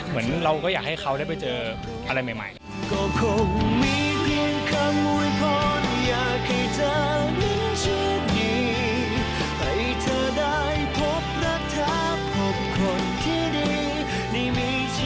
เหมือนเราก็อยากให้เขาได้ไปเจออะไรใหม่